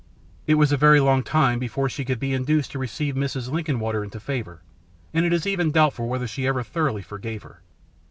It was a very long time before she could be induced to receive Mrs. Linkinwater into favour, and it is even doubtful whether she ever thoroughly forgave her.